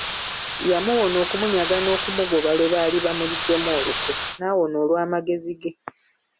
Yamuwona okumunyaga n'okumugoba lwe baali bamuliddemu olukwe n'awona olw'amagezi ge.